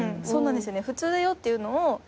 普通だよっていうのを。